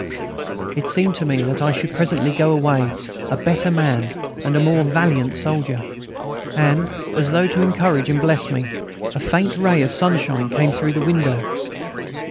It seemed to me that I should presently go away a better man and a more valiant soldier. And, as though to encourage and bless me, a faint ray of sunshine came through the window.